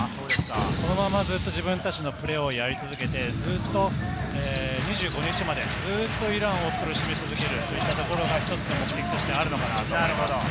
このままずっと自分たちのプレーをやり続けてずっと２５日までイランを苦しめ続けるといったところが一つの目的地だと思います。